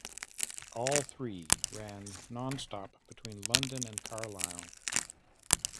All three ran non-stop between London and Carlisle.